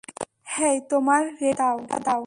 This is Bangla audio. হেই, তোমার রেডিওটা দাও।